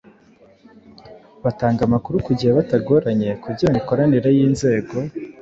batanga amakuru ku gihe batagoranye kugira ngo imikoranire y’inzego